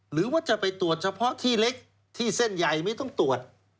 หรือว่าจะไปตรวจเฉพาะที่เล็กที่เส้นใหญ่ไม่ต้องตรวจ